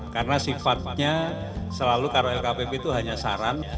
karena sifatnya selalu karena lkpp itu hanya saran